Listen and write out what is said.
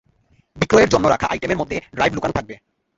বিক্রয়ের জন্য রাখা আইটেম এর মধ্যে ড্রাইভ লুকানো থাকবে।